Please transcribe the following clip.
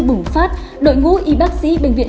bùng phát đội ngũ y bác sĩ bệnh viện